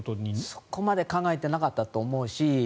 そこまで考えていなかったと思うし